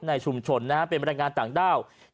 ในชุมชนเป็นบรรยากาศต่างด้าว